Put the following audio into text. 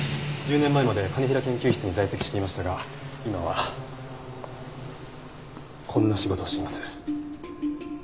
１０年前まで兼平研究室に在籍していましたが今はこんな仕事をしています。